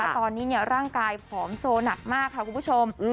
ตอนนี้ร่างกายผอมโซหนักมากค่ะคุณผู้ชม